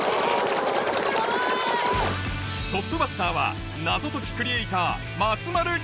トップバッターは謎解きクリエイター